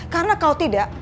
karena kalau tidak